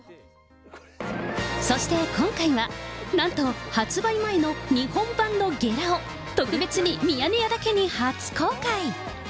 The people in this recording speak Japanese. そして今回は、なんと発売前の日本版のゲラを、特別にミヤネ屋だけに初公開。